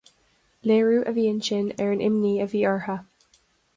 Léiriú a bhí ansin ar an imní a bhí orthu.